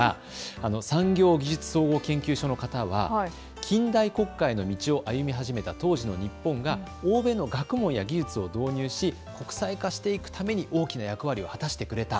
産業技術総合研究所の方は近代国家への道を歩み始めた当時の日本が欧米の学問や技術を導入し国際化していくために大きな役割を果たしてくれた。